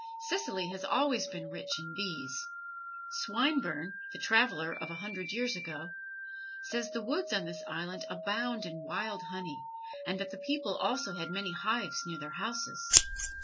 Sicily has always been rich in bees. Swinburne (the traveler of a hundred years ago) says the woods on this island abounded in wild honey, and that the people also had many hives near their houses.